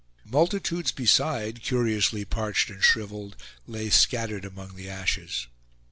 Multitudes beside, curiously parched and shriveled, lay scattered among the ashes.